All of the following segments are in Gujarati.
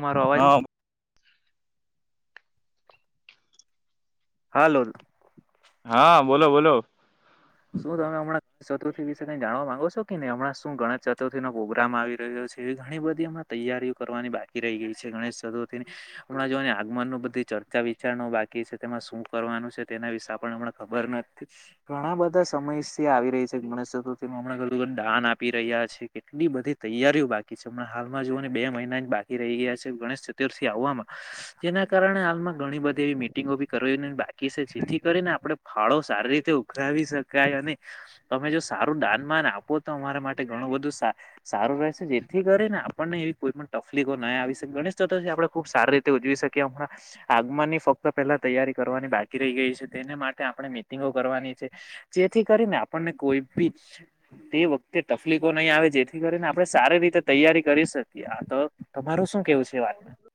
મારો અવાજ હા હાલો. હા બોલો બોલો. શું તમે હમણાં ચતુર્થી વિશે કઈ જાણવા માંગો છો કે નઈ હમણા શું ગણેશ ચતુર્થી નો પ્રોગ્રામ આવી રહ્યો છે. ઘણી બધી હમણાં તૈયારીઓ કરવાની બાકી રહી ગઈ છે. ગણેશ ચતુર્થી ની હમણાં જોવોને આગમન નું બધું ચર્ચા વિચારણા બાકી છે તેમાં શું કરવાનું છે તેના વિશે આપણને હમના ખબર નથી ઘણા બધા સમય આવી રહી છે ગણેશ ચતુર્થીમાં હમણા દાન આપી રહ્યા છે કેટલી બધી તૈયારીઓ બાકી છે. હાલમાં જોને બે મહિના જ બાકી રહી ગયા છે ગણેશ ચતુર્થી આવવામાં જેના કારણે હાલમાં ઘણી બધી એવી મિટિંગો બી કરવિન બાકી છે જેથી કરીને આપડણે ફાળો સારી રીતે ઉઘરાવી શક કાય અને તમે જો સારું દાન માન આપો તો અમારા માટે ઘણું બધું સા સારું રહેશે. થી કરી ને આપણને એવી કોઈ પણ તકલીફો ના આવી શકે. ગણેશ ચતુર્થી આપણે ખૂબ સારી રીતે ઉજવી શકીએ. આગમનની ફક્ત પેલા તૈયારી કરવાની બાકી રહી ગઈ છે. તેને માટે આપણે મીટિંગો કરવાની છે. જેથી કરીને આપણને કોઈ બી તે વખતે તકલીફો નહી આવે જેથી કરીને. આપણે સારી રીતે તૈયારી કરી શકીએ. આ તો તમારું શું કેવું છે વાતમાં? [inaudible]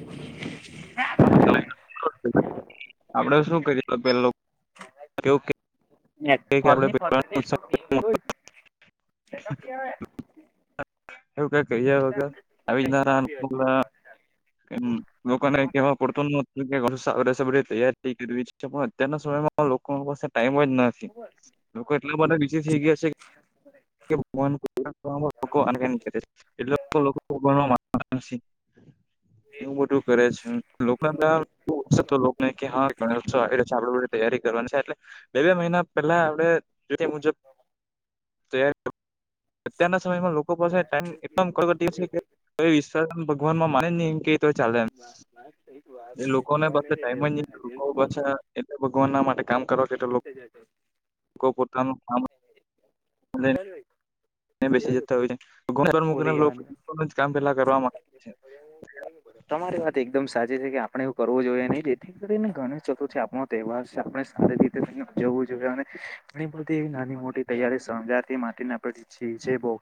[unintelligible] કેવું કે આપડે [unintelligible] [unintelligible] લોકોને કેવા પુંરતું નતું કે રસબડી તૈયારી કરવી અત્યારના સમયમાં લોકો પાસે ટાઈમ જ નથી. લોકો એટલા બધા બીઝી થઈ ગયા છે. [unintelligible] [unintelligible] [inaudible] [unintelligible] કરે છે લોકોને હા ગણેશ મહોત્સવ તૈયારી કરવાની એટલે બે બે મહિના પહેલા આપડે મુજબ [inaudible] તૈયારી [unintelligible] અત્યારના સમયમાં લોકો પાસે ટાઈમ કડકટી છે કે [unintelligible] ભગવાનમાં [unintelligible] [inaudible] એ લોકોને બસે ઘરની ટાઈમ જ નહી. લોકો એટલે ભગવાન ના માટે કામ કરવાં લોકો પોતાનું લઈને [unintelligible] બેસી જતા હોય. ભૂલી જવાનું [unintelligible] કામ પેલા કરવામાં આવે છે. તમારે વાત એકદમ સાચી છે. કે આપડણે એવું કરવો જોઈએ. નહીંથી કરીને ઘણેશ ચતુર્થી આપણો તહેવાર છે. આપણે સારી રીતે જવું જોઈએ. ઘણી બધી એવી નાની મોટી તૈયારી [unintelligible]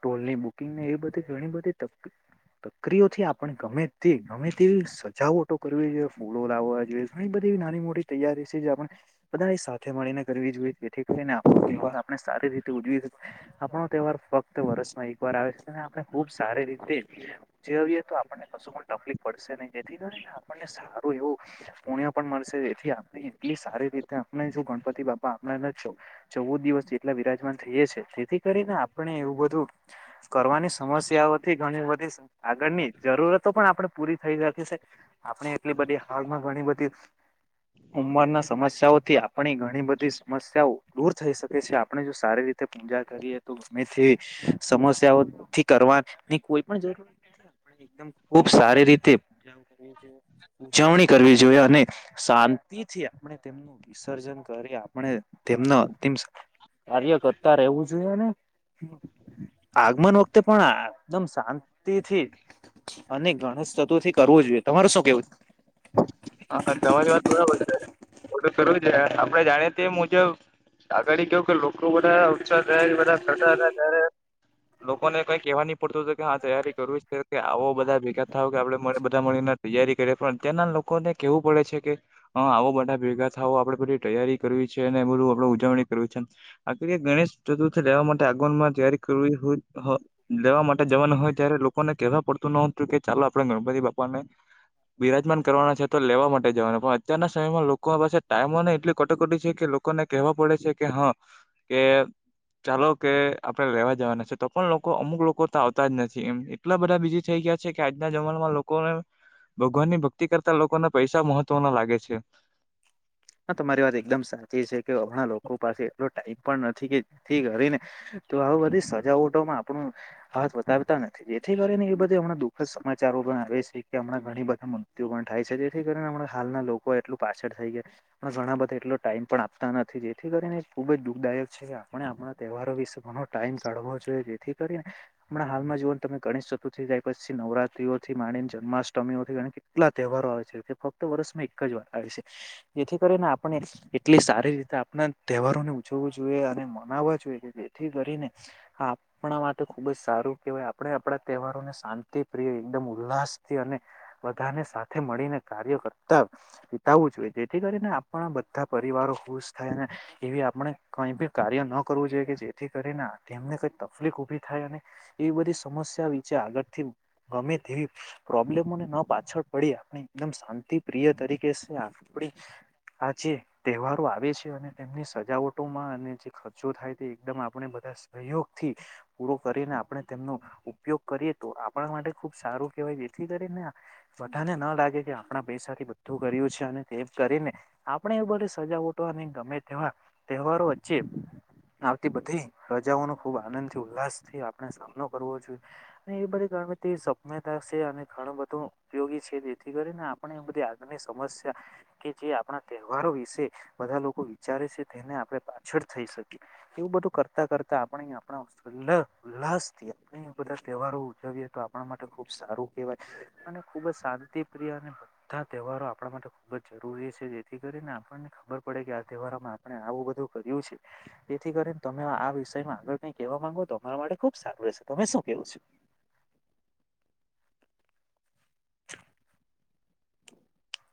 ટોલની બુકિંગને એ બધી ઘણી [unintelligible] થી આપણે ગમે તે ગમે તેવી સજાવટો કરવી જોઈએ. ફૂલો લાવવા જોઈએ. ઘણી બધી એવી નાની-મોટી તૈયારી છે. આપણે બધા સાથે મળીને કરવી જોઈએ. જેથી કરીને આપ પર આપણે સારી રીતે ઉજવી આપણો તહેવાર ફક્ત વર્ષમાં એક વાર આવે છે. અને આપણે ખુબ સારી રીતે ઉજવીએ. તો આપણને કશું કો તકલીફ પડશે નહી. જેથી કરીને આપણને સારું એવું પુણ્ય પણ મળશે. જેથી એટલી સારી રીતે આપણે જો ગણપતિ બાપા આપણા જ છ ચૌદ દિવસ જેટલા વિરાજમાન થઈએ છીએ. તેથી કરીને આપણે એવું બધું કરવાની સમસ્યાઓથી ઘણી બધી સ આગળની જરૂરતો પણ આપણે પૂરી થઈ શખી છે. આપણે એટલી બધી હાલમાં ઘણી બધી ઉંમર ના સમસ્યાઓથી આપણી ઘણી બધી સમસ્યાઓ દૂર થઈ શકે છે. આપણે જો સારી પૂજા કરીએ તો ગમેતે સમસ્યાઓ થી કરવાની કોઈ પણ જરૂરત નથી. એકદમ ખુબ સારી રીતે કરવી છે. ઉજવણી કરવી જોઈએ અને શાંતિથી આપણે તેમનું વિસર્જન કરી આપણે તેમના તેમ કાર્ય કરતા રહેવું જોઈએ. મન વખતે પણ એકદમ શાંતિથી અને ગણેશચતુર્થી કરવો જોઈએ. તમાર શું કેવું? હા તમારી વાત બરાબર છે [unintelligible] કરવું છે. આપડે જાણીએ તે મુજબ આગળ કેવું કે લોકો બધા ઉત્સાહ થાય બધા થતા હતા ત્યારે લોકો ને કઈ કેવાની પડતો કે હા તૈયારી કરવી જ છે. કે આવો બધા ભેગા થાવ કે આપણે બધા મળીને તૈયારી કરીએ પણ અત્યારના લોકોને કેવું પડે છે. કે અ આવો બધા ભેગા થઓ આપડે બધી તૈયારી કરવી છે. ને બધું ઉજવણી કર છે. આ ગણેશ ચતુર્થી લેવા માટે આગનમાં તૈયારી કરવી લેવા માટે જવાનું હોય. ત્યારે લોકોને કેવા પડતું નહતું કે ચાલો આપણેે ગણપતિ બાપા ને બિરાજમાન કરવાના છે તો લેવા માટે જવાના પણ અત્યારના સમયમાં લોકો પાસે ટાઈમોને એટલી કટોકટી છે કે લોકોને કેવા પડે છે કે હ કે ચાલો કે આપડે લેવા જવાના છે તો પણ લોકો અમુક લોકો તો આવતા જ નથી એમ એટલા બધા બીઝી થઈ ગ્યા છે કે આજના જમાંનામાં લોકોને ભગવાન ની ભક્તિ કરતા લોકોને પૈસા મહત્વના લાગે છે. ઘણા લોકો પાસે એટલો ટાઈમ પણ નથી કેથી કરીને તો આ બધી સજાવટોમાં આપણું હાથ વધારતા નથી થી કરીને એ બધા હમણાં દુખદ સમાચારો પણ આવે છે કે હમણાં ઘણી બધા મૃત્યુ પણ થાય છે જેથી કરીને હમણાં હા ના લોકો એટલું પાછળ થઈ ગ્યા પણ ઘણા બધા એટલો ટાઈમ પણ આપતા નથી, જેથી કરીને ખુબ જ દુઃખદાયક છે આપણે આપણા તહેવારો વિશે ટાઈમ કાઢવો જોઈએ જેથી કરીને હમણાં હાલમાં જોઓ ને તમે ગણેશ ચતુર્થી જાય પછી નવરાત્રી ઓથી માણીને જન્માષ્ટમીઓથી ઘણી કેટલા તહેવારો આવે છે, તે ફક્ત વર્ષમાં એક જ વાર આવે છે. જેથી કરીને આપણે એટલી સારી રીતે આપણા તહેવારો ને ઉજવવું જોઈએ અને મનાવવા જોઈએ થી કરીને આપણા માટે ખુબ જ સારું કહેવાય આપણે આપણા તહેવારોને શાંતિ પ્રિય એકદમ ઉલ્લાસથી અને બધાને સાથે મળીને કાર્ય કરતા વિતાવવું જોઈએ. જેથી કરીને આપણા બધા પરિવારો ખુશ થાયને એવી આપણે કઈ ભી કાર્ય ન કરવું જોઈએ કે જે થી કરીને તેમને કઈ તકલીફ ઉભી થાય અને એ બધી સમસ્યા વિચે આગળથી ગમે [unintelligible] પ્રોબ્લેમોને ન પાછળ પડી આપણે એકદમ શાંતિ પ્રિય તરીકે આપણે હા જે તહેવારો આવે છે અને તેમની સજાવટોમાં અને જે ખર્ચો થાય તે એકદમ આપણે બ ધા સહયોગથી પૂરો કરીને આપણે તેમનો ઉપયોગ કરીએ તો આપણા માટે ખુબ સારું કે જેથી કરીને બધાને ના લાગે કે આપણા પૈસા થી બધું કર્યું છે અને તેમ કરીને આપણે એ બધી સજાવટો અને ગમે તેવા તહેવારો વચ્ચે આવતી બધી રજાઓનો ખુબ આનંદ થી ઉલ્લાસ થી આપણે સામનો કરવો જોઈએ અને એ બધી [unintelligible] સમ્યતા શે અને ઘણું બધું ઉપયોગી છે જેથી કરીને આપણે એ બધી આગ ની સમસ્યા કે જે આપણા તહેવારો વિશે બધા લોકો વિચારે છે તેને આપણે પાછળ થઈ શકીએ એવું બધું કરતા કરતા આપણે આપણા હર્ષઉલ ઉલ્લાસ થી આપણે બધા તહેવારો ઉજવીએ તો આપણા માટે ખૂબ સારું કહેવાય અને ખુબ જ શાંતિ પ્રિય અને બધા તહેવારો આપણા માટે ખુબ જ જરૂરી છે જેથી કરીને આપણને ખબર પડે કે આ તહેવારોમાં આપણે આવું બધું કર્યું છે જેથી કર ઈન તમે આ વિષયમાં આગળ કઈ કેવા માંગો તો તમારા માટે ખુબ સારું રહેશે, તમે શું ક્યો છો? [inaudible] [inaudible]